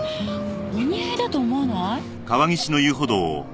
お似合いだと思わない？